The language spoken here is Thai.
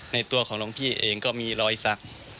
ตัวของหลวงพี่เองก็มีรอยสัก